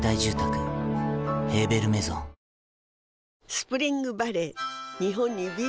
スプリングバレー